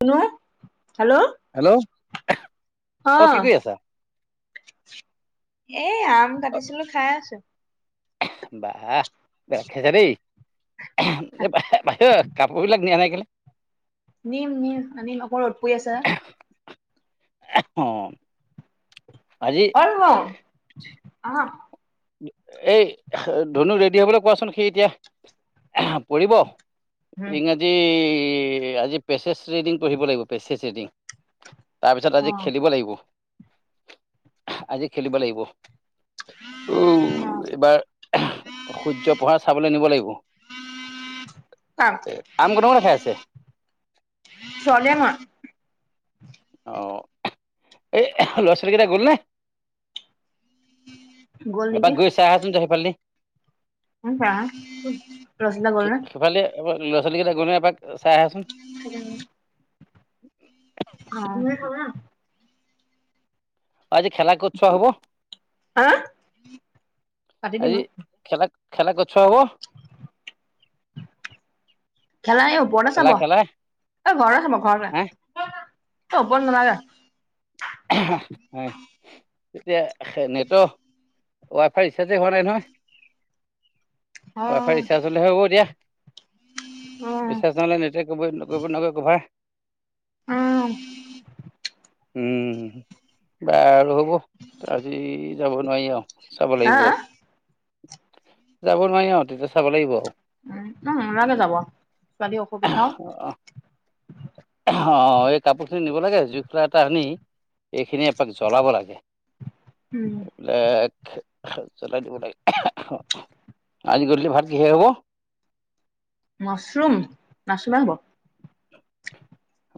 কোনোৱা hello hello অ। কি কৰি আছা এ আম অ কাটিছিলো খাই আছো। বাহ, বেলেগ খাইছা দেই। এই বাহিৰৰ কাপোৰ বিলাক নিয়া নাই কেলে? নিম নিম নিম আনিম অকণ ৰ'দ পৰি আছে। অ। আজিপ [unintelligible] আহা। এই ধনুক ৰেডি হবলৈ কোৱাচোন, সি এতিয়া পৰিব। ইংৰাজী আজি পেচজ ৰিডিং পঢ়িব লাগিব, পেচজ ৰিডিং। তাৰপিছত অ আজি অ খেলিব লাগিব, আজি খেলিব লাগিব। এইবাৰ সূৰ্য পহাৰ চাবলৈ নিব লাগিব। কাম আম কোনে কোনে খাই আছে? ছনিয়া মোৱা অ এই ল'ৰা -ছোৱালীকেইটা গ'লনে? গ'ল এপাক নেকি গৈ চাই আহচোন তই সেইফালেদি। [unintelligible] ৰচিদা গ'ল নে? এবাৰ লৰা-ছোৱালী কেইটা গ'ল নাই এপাক চাই আহাচোন? [unintelligible] [unintelligible] অ আজি খেলা ক'ত চোৱা হব? হা কাটি দিম আজি আৰু খেলা, খেলা ক'ত চোৱা হ'ব? খেলা এ ওপৰতে খেলা চাব খেলা এই ঘৰতে চাব ঘৰতে ওপৰত নেলাগে। হয়, তেতিয়া নিত- ৱাই ফাই ৰিচাৰ্জে হোৱা নাই নহয়। অ ৱাই ফাই ৰিচাৰ্জ চলেহে হ'ব দিয়া। অ ৰিচাৰ্জ নহলে নিতৌ কবৈ নবকৈ নকয় কভাৰ আও উম, বাৰু হ'ব। আজি যাব নোৱাৰি আও চাব হা লাগিব। যাব নোৱাৰি, অ তেতিয়া চাব লাগিব আও। উম নালাগে যাব ছোৱালী অসুবিধাও [unintelligible] অ এই কাপোৰখিনি নিব লাগে জুইখোলাটা টানি এইখিনি এপাক জ্বলাব লাগে, উম এইবিলাক জ্বলাই দিব লাগে। আজি গধূলি ভাত কিহে হ'ব? মাছৰুম মাছৰুমেই হ'ব।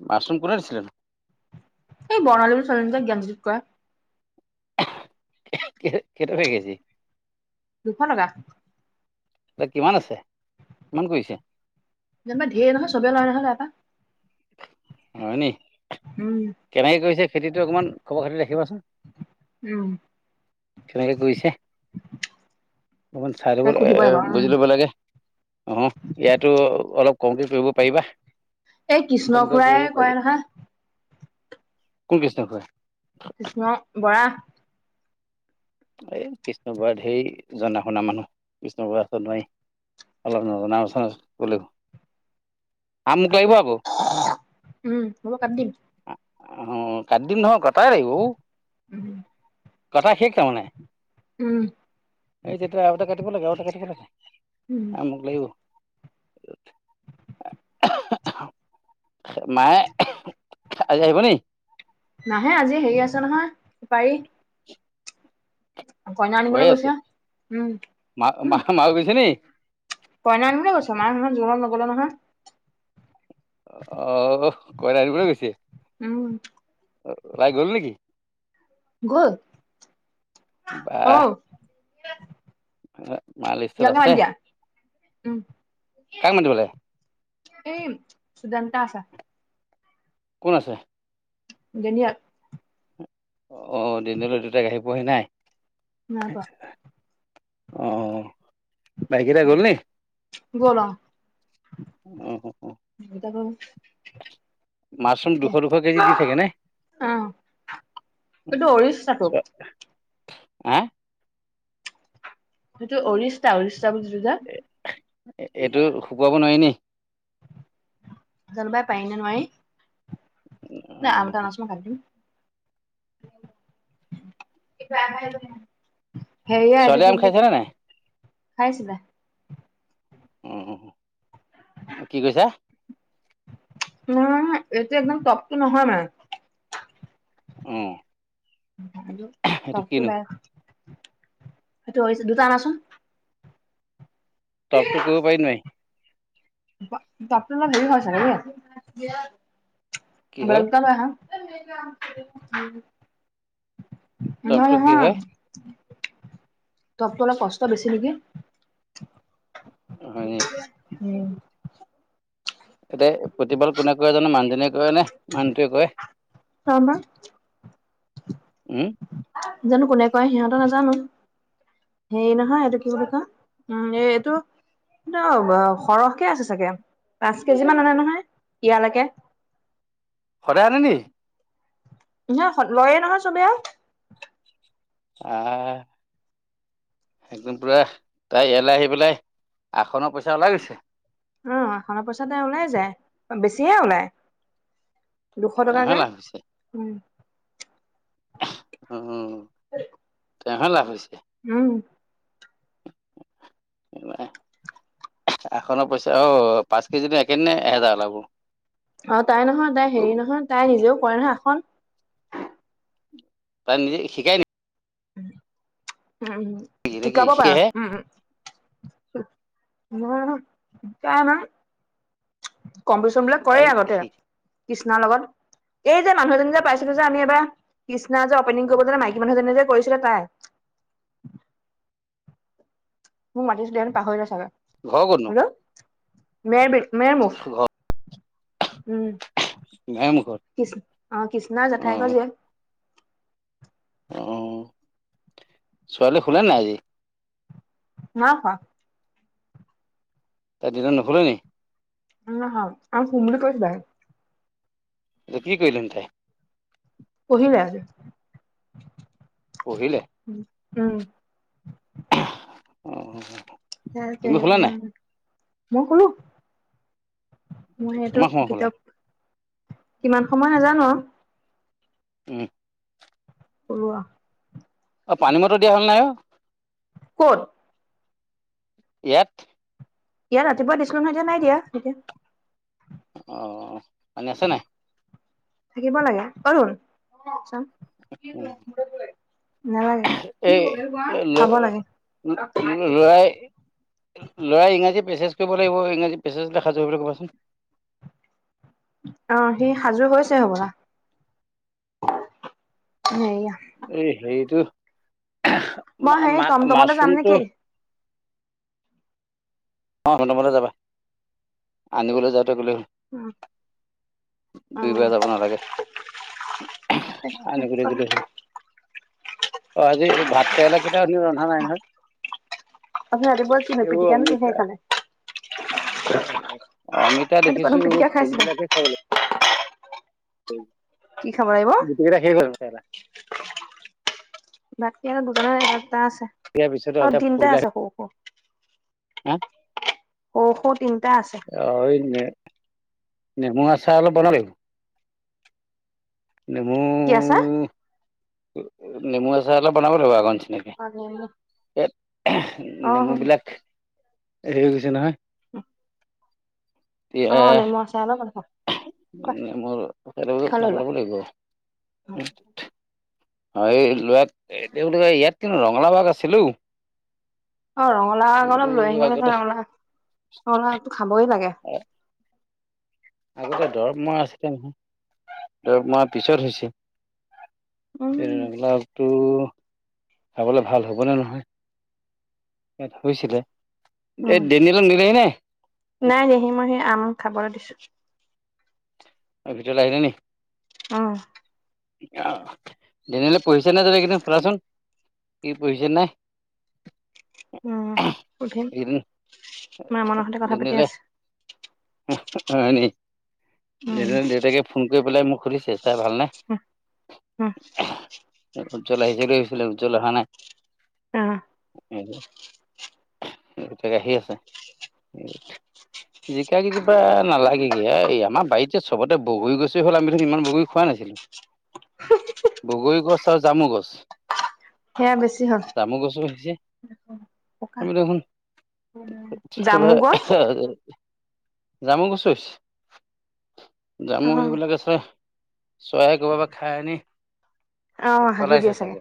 মছৰুম কোনে দিছিলে নো? এই বৰ্ণালী ছোৱালীজনী যে জ্ঞানজ্যোতিত কৰে। খেই খে কেই টকা কেজি? দুশ টকা। দা কিমান আছে, কিমান কৰিছে? যেনিবা ঢেৰ নহয় চবে লয় নহয় তাৰ পা। হয় নি? উম কেনেকে কৰিছে খেতিটো অকণমান খবৰ খাতি ৰাখিবাচোন। উম কেনেকে কৰিছে? অকণমান চাই দিব তাক সুধিব লাগিব বুজি উম ল'ব লাগে। অ ইয়াতো অলপ কমক কৰিব পাৰিবা। এই কৃষ্ণ কমকে কৰিব খুৰাই পাৰি কয় নহয়। কোন কৃষ্ণ খোড়া? কৃষ্ণ বৰা। এই কৃষ্ণ খুঢ়া ধেইৰ জনা শুনা মানুহ কৃষ্ণ খুঢ়া নোৱাৰি। অলপ নজনা শুনা বুলো। আছে, উম হ'ব কাটি দিম। আহ কাট দিম নহয় কটাই লাগিব ঔ, উম কথা শেষ তাৰমানে। উম। এই যেতিয়া আতে কাটিব লাগে আৰুটা কাটিব লাগে উম আৰু মোক লাগিব। উ আ আহাঁ আহ। মায়ে উহু আঁহ আজি আহিব নেকি? নাহে আজি হেৰি আছে নহয় সু পাৰি। [inaudible] কইনা ঘৰে আনিবলৈ আছে গৈছা উম মা মা উম। মাও গৈছে নি কইনা আনিবলৈ গৈছে, মাৰহত জোৰত নগলে নহয়। অ কইনা আনিবলৈ গৈছে। উম। উলাই গ'ল নেকি? ঘল বাহ অহ। মা লিষ্টত যাম নহয় আছে আনি দিয়া উম। কাক মাতিব লাগে এই সুদান্তা আছা। কোন আছে? যেনিয়াত। অ দিনলৈ দুতাই আহি পোৱহি নাই? নাই পোৱা। অ ভাইকেইটা গ'ল নি গ'লা। উম। [unintelligible] মাছৰুম দুশ - দুশ কেজি দি থাকে নে? অ এইটো অৰিশ নাটক। আ! সেইটো অৰিষ্টা অৰিষ্টা বুলিছোঁ যে। এই এইটো শুকুৱাব নোৱাৰিনে? জানো পাই পাৰি নে নোৱাৰি? অ ন আল এটা নাচ [unintelligible] হেৰিয়া এইটো ছোৱালীয়ে আম কি বুলি, খাইছে নে নাই খাইছিলা। উম, কি কৰিছা? উম এইটো একদম তপটো নহয় মানে। অঁ। টপটো বে, সেইটো হৈছে দুটা অনাচোন। টপতো কৰিব পাৰি নোৱাৰি? বা টপটো অলপ দেৰি হৈ চাগে দেই, কি এতিয়া হয় বেলকা লৈ আহাঁ। ম কাম [inaudible] মই টপটো কি নহয়। হয় তপতো অলপ কষ্ট বেছি নেকি? হয় নি উম। এয়াতে প্ৰতিপাল কোনে কয় জানো মানুহজনীয়ে কয় নে মানুহটোৱেই কয়? তামা উম? জানো কোনে কয় সিহঁত নাজানো। সেই নহয় এইটো কি বুলি ক উম এ এইটো এইটো সৰহকে আছে চাগে পাঁচ কেজি মান আনে নহয় ইয়ালৈকে সদায় আনে নি নহয় লয়ে নহয় চবেই আ একদম পুৰা তাই ইয়ালে আহি পেলাই আসনৰ পইচা ওলাই গৈছে উম অখনা পইচাতে ওলাই যায় বেছিহে ওলাই দুশ তেওঁহে টকাকে লাভ হৈছে উম উম তেওঁহে লাভ হৈছে উম আখনৰ পইচা আও পাঁচ কেজি একে দিনাই এহেজাৰ ওলাব অ তাই নহয় তাই হেৰি নহয় তাই নিজেও কৰে নহয় আসন তাৰ নিজে শিকাই নি উম নেকি নে কি শিকাব শিকেহে পাৰে উম নহয় নহয় তাই আমাঙ কম্পিটিচন বিলাক তাই কৰে আগতে শিক কৃষ্ণাৰ লগত এই যে মানুহজনী যে পাইছিলো যে আমি এবাৰ কৃষ্ণা যে অপেনিং কৰিব যেনে মাইকী মানুহজনীনে যে কৰিছিলে তাই মোক মাতিছিলে দেন পাহৰিলে চাগা ঘৰ ক'তনো হেল্ল' মেৰ বিল, মেৰমুখ ঘৰ উম দুৱাৰমুখত কৃষ্ অ কৃষ্ণাৰ অ জেঠাইক জীয় অ ছোৱালী শুলে নাই আজি নাই শুৱা তাই দিনত নুশুলে নি নাই শুৱা আও শুম বুলি কৈছিলে এতিয়া কি কৰিলো তাই পঢ়িলে আজি পঢ়িলে উম উম অ অ নাই যে তুমি শুলা নাই উম মই কলো মই সেটো কিমান সময় শুলা কিতাপ, কিমান সময় নেজানো। উম কলোৱা অ পানী মটৰ দিয়া হল নাই অ ক'ত ইয়াত ইয়াত ৰাতিপুৱা দিছিলো নহয় এতিয়া নাই দিয়া এতিয়া অ পানী আছে নাই থাকিব লাগে এই সোন অ চাওঁ উম, কলে [unintelligible] নালাগে, কি এই [unintelligible] খাব লাগে। ল'ৰাই ল'ৰাই ইংৰাজী প্ৰেচজ কৰিব লাগিব, ইংৰাজী প্ৰেচেজ দেখাইছো বুলি কবাচোন। অ সি সাজু হৈছে হ'বলা, হেয়া। এই হেৰিটো মই মা সেই মা টমটমতে যাম মাচৰোমটো নেকি - অ টমটমতে যাবা আনিবলৈ যাওঁতে গ'লে হ'ল। অ দুইবাৰ যাব নালাগে। আনিবলৈ গ'লে হ'ল [unintelligible] অ আজি ভাত কেৰেলা কেইটা আনি ৰন্ধা নাই নহয়? আপুনি ৰাতিপুৱা কিনো এইবোৰ পিটিকা ননো অমিতা কিহেৰে খালে? অমিতা ৰাতিপুৱা দেখিছো দেখোন পিটিকা ফুল খাইছিলে বিলাকে হে খাবলে। [inaudible] কি খাব লাগিব? গোটেই কেইটা শেষ হৈ গ'ল কেৰেলা। বাকী আৰু দোকানৰ এটা আছে, ইয়াৰ পিছতে অ', অমিতা তিনটা ফুলবিলাক আছে সৰু-সৰু। হা? সৰু-সৰু তিনটা আছে। [unintelligible] নেমু আচাৰ অলপ বনালি? নেমু কি আছে নেমু আচাৰ অলপ বনাব লাগিব আগৰ অ নেমু নিচিনাকে। অ নেমু বিলাক হেৰি হৈ গৈছে নহয়। [unintelligible] অ এ, নেমু আচাৰ অলপ খোৱা নেমুৰ আচাৰ এখন কে লৈ লোৱা বনাব লাগিব আও। [unintelligible] অ', এই ল' ইয়াত কিন্তু ৰঙালাউ আগ আছিলে ও। অ', ৰঙালাউ এই আগ বোলো অলপ লৈ আহিব [unintelligible] আগতে ৰঙালাউ-ৰঙালাউ আগ টো খাবই লাগে। আগতে দৰৱ মৰা আছিলে নহয়, দৰৱ মৰা পিছত হৈছে। উম, ৰঙালাও আগটো খাবলে ভাল হ'ব নে নহয়? হৈছিলে, এই উম, দেনিয়েলক নিলেহি নে? সৰুমাহি আম খাবলে দিছোঁ। অ', ভিতৰলে আহিলে নি? অ'। অ', ডেনিয়েলে পঢ়িছে নাই এইকেইদিন সুধা চোন? সি পঢ়িছে নাই? উম। সুধিম এইকিদিণ, মামনৰ সৈতে কথা পাতি ডেনিয়েলে। আছে হয় নেকি? উম, দেনিয়েলৰ দেউতাকে ফোন কৰি পেলাই মোক সুধিছে, চাৰ ভালনে? উম, উম, উজ্জ্বল আহিছে দেই এইফালে, উজ্জ্বল অহা নাই। অ'। [unintelligible] তাক আহি আছে। জিকা কেইজোপা নালাগেগে, এই আমাৰ বাৰীত এ চবতে বগৰী গছি হ'ল আমিটো ইমান বগৰী খোৱাাই নাছিলোঁ। বগৰী গছ আৰু জামু গছ। সেয়া বেছি হ'ল। তামুল গছো হৈছে। পকা আমি দেখোন জামু গছ [unintelligible] জামু গছো হৈছে। জামু অ', এইবিলাক আছে, চৰাই ক'ৰবাৰ পৰা খাই আনি অ', হাগি পেলাইছে দিয়ে চাগে,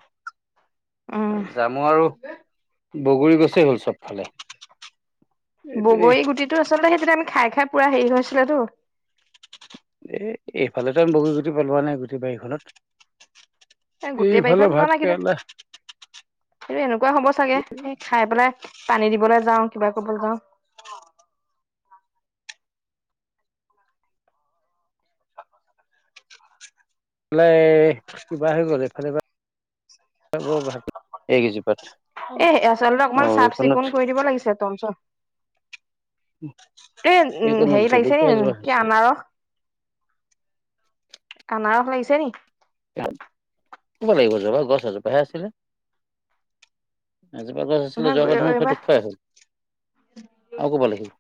উম। যাম মই আৰু, বগৰী গছে হ'ল চবফালে। এইপিনে বগৰী গুটিটো আচলতে সেইদিনা আমি খাই-খাই পুৰা হেৰি হৈছিল তো। এ এইফালেতো আমি বগৰী গুটি পেলোৱা নাই গুটেই বাৰীখনত। এ গোটেই বাৰীখন এইফালে ভাতকেৰেলা সেইটো এনেকুৱা হব চাগে সেই খাই পেলাই পানী দিবলৈ যাওঁ, কিবা কৰিবলৈ যাওঁ। লাই কিবা হৈ গ'ল এইফালে ভাত [inaudible] এই কেজিপাত। এ আচলতে অকমান চাফ চিকুণ কৰি দিব লাগিছিলে তমচ- এ উম, এইখনত হেৰি লাগিছে জলকীয়া এজোপা [unintelligible] কি হৈছে। আনাৰস? আনাৰস লাগিছে নি? [unintelligible] লাগিব, যোৱাবাৰ গছ এজোপাহে আছিলে। এজোপা গছ আছিলে নহয় যোৱাবাৰ দেখোন সেইটো এইবাৰ খোৱাই হ'ল আৰু কব লাগিব,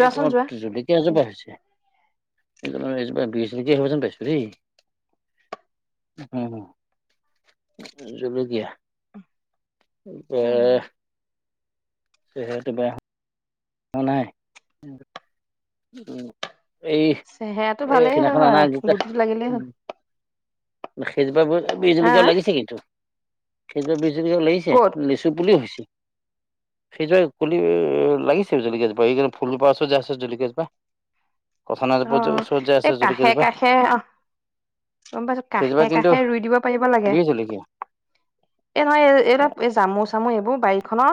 এই যোৱা তোমাক যদি- কেজোপা হৈছে এজোপা [unintelligible] হব যেন পাইছো দেই। জলকীয়া উম এ- সেইটো বেয়া হোৱা নাই। উম এই চেহেৰাটো এই ভালেই সেইনাখন হয় অনাৰ আনা দুটা- গুটিটো লাগিলেই হ'ল সেইজোপাৰ বি হা জলকীয়াও লাগিছে কিন্তু সেইজোপাৰ বি জলকীয়াও লাগি ছে ক'ত লেচু পুলিও হৈছে। সেই জোপাই কুলি লাগিছে, জলিকীয়া জোপা এই ফুলা কেইপা যে আছে যে জলিকা- যা কঠাল অ জোপাৰ অ ওচৰত এই কাষে কাষে আহ। গম পাইছো সেইজোপা কাষে কিন্তু কাষে ৰুই দিব পাৰিব লাগে। বিহ জলকীয়া এ নহয় এই এই এ জামু চামো এইবোৰ বাৰীখনৰ।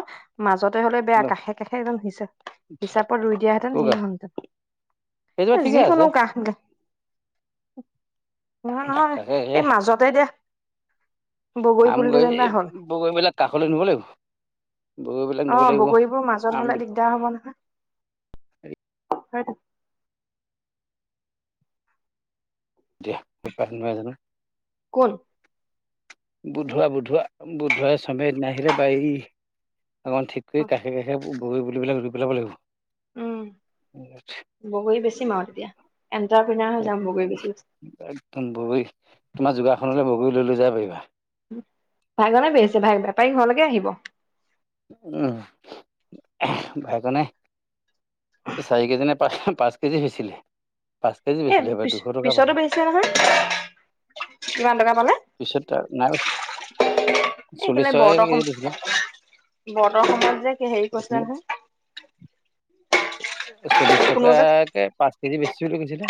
মাজতে হলে বেয়া হেল্ল' কাষে কাষে একজন হিচাপ হিচাপত ৰুই দিয়াহেতেন কৌগা সেই হলহেতেন। সেইজোপা এ ঠিকে আছে যিকোনো কাহ দে। নহয় নহয় তাকে হে এই মাজতে দে বগৰী পুলিটো যেনিবা হ'ল। বগৰী এইবিলাক কাষলৈ নিব লাগিব। বগৰীবিলাক অ নিব লাগিব বগৰীবোৰ মাজত আম হলে দিগদাৰ হব নহয় হয়তো দিয়া নোপাই জানো। কোন বুধোৱা বুধোৱা বুধোৱা সমিৰে আহিলে বাই- অকণ ঠিক কৰি কাষে কাষে বগৰি পুলি বিলাক ৰুই পেলাব লাগিব। উম বগৰী বেছিম আও তেতিয়া এণ্টাৰপ্ৰিনাৰ হৈ যাম বগৰী বেছি বেছি। একদম বগৰী তোমাৰ যোগাসনলৈ বগৰী লৈ লৈ যায় পাৰিবা। ভাগনে বেছে ভাগ বেপাৰী ঘৰলৈকে আহিব। উম ভাই কনে চাৰি কেজি নে পাচ পাঁচ কেজি হৈছিলে। পাঁচ কেজি এ বেচিলে হপায় পিছ দুশ টকা পিছতো পালে। বেচিছে নহয় কিমান টকা পালে। দুশ টকা নাই বেছি চল্লিশ টকাকে কেজি দিছিলে। বতৰ সময়ত যে কি হেৰি কৰিছিলে নহয়? চল্লিশ কোনো টকা যে কে পাঁচ কেজি বেছি বুলি কৈছিলে।